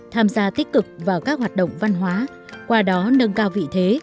tham gia tích cực vào các hoạt động văn hóa qua đó nâng cao vị thế